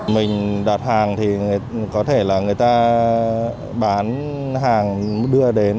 mình đặt hàng thì có thể là người ta bán hàng đưa đến